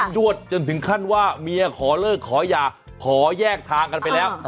จวดจนถึงขั้นว่าเมียขอเลิกขอหย่าขอแยกทางกันไปแล้ว